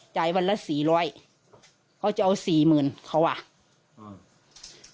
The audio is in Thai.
วันละสี่ร้อยเขาจะเอาสี่หมื่นเขาอ่ะอืม